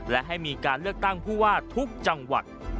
และให้มีการเลือกตั้งผู้ว่าทุกจังหวัด